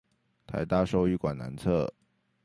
臺大獸醫館南側